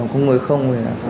không người không